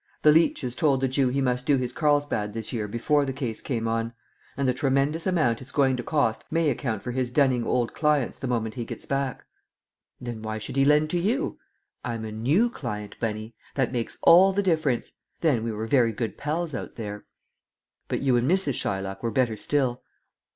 The leeches told the Jew he must do his Carlsbad this year before the case came on; and the tremendous amount it's going to cost may account for his dunning old clients the moment he gets back." "Then why should he lend to you?" "I'm a new client, Bunny; that makes all the difference. Then we were very good pals out there." "But you and Mrs. Shylock were better still?"